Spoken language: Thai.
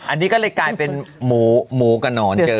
อันนี้ก็เลยกลายเป็นหมูกระหนอนเจอ